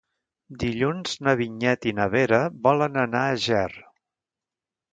Dilluns na Vinyet i na Vera volen anar a Ger.